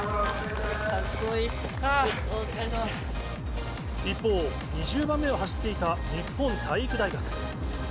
一方、２０番目を走っていた日本体育大学。